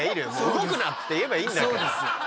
「動くな」って言えばいいんだから。